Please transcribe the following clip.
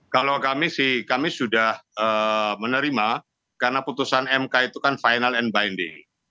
kalau kami sih kami sudah menerima karena putusan mk itu kan final and binding